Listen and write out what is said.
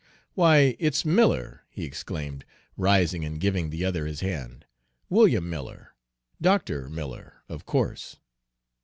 "Why, it's Miller!" he exclaimed, rising and giving the other his hand, "William Miller Dr. Miller, of course.